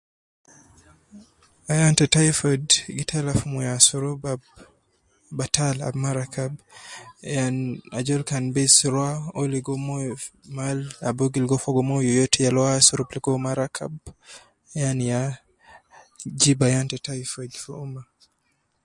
Ayan te typhoid gi tala fi moyo asurub ba batal, ab ma rakab, yan ajol kan bes rua uwo ligo moyo fi mahal al uwo gi ligo fogo moyo yoyote, yala uwo asurub ligo uwo ma rakab, yani ya jib ayan te typhoid fi umma